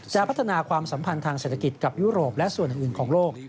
พัฒนาความสัมพันธ์ทางเศรษฐกิจกับยุโรปและส่วนอื่นของโลก